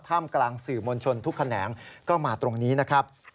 กำลังสื่อมวลชนทุกแขนงก็มาตรงนี้นะครับ